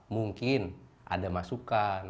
mungkin ada masukan